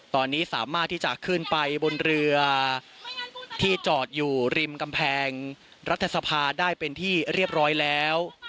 ตอนนี้สามารถที่จะขึ้นไปบนเรือที่จอดอยู่ริมกำแพงรัฐสภาได้เป็นที่เรียบร้อยแล้ว